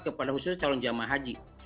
kepada khususnya calon jamaah haji